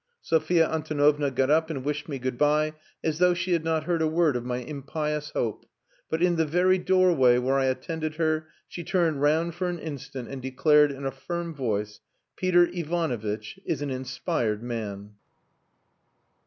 Sophia Antonovna got up and wished me good bye, as though she had not heard a word of my impious hope; but, in the very doorway, where I attended her, she turned round for an instant, and declared in a firm voice "Peter Ivanovitch is an inspired man."